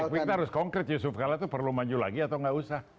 kita harus konkret yusuf kala itu perlu maju lagi atau gak usah